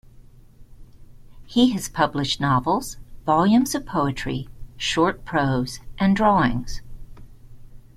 He has published novels, volumes of poetry, short prose, and drawings.